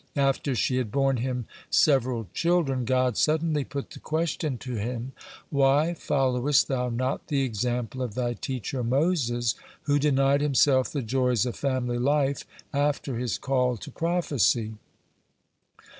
After she had borne him several children, God suddenly put the question to him: "Why followest thou not the example of thy teacher Moses, who denied himself the joys of family life after his call to prophecy?"